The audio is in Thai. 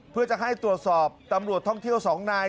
เพื่อจะให้ตรวจสอบตำรวจท่องเที่ยว๒นาย